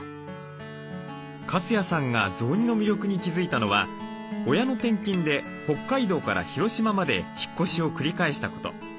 粕谷さんが雑煮の魅力に気付いたのは親の転勤で北海道から広島まで引っ越しを繰り返したこと。